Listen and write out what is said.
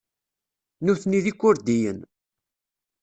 Nutni d Ikurdiyen.